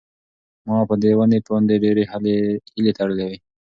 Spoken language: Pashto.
ما په دې ونې باندې ډېرې هیلې تړلې وې.